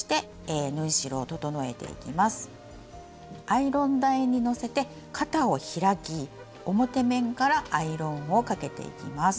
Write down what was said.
アイロン台にのせて肩を開き表面からアイロンをかけていきます。